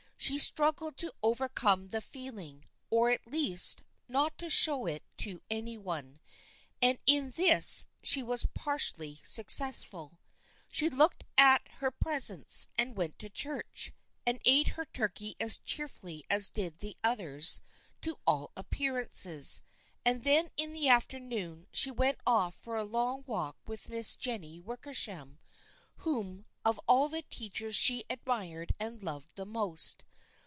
She struggled to overcome the feeling, or at least not to show it to any one, and in this she was partially successful. She looked at her presents, and went to church, and ate her turkey as cheerfully as did the others to all appearances, and then in the afternoon she went off for a long walk with Miss Jennie Wicker sham, whom of all the teachers she admired and loved the most.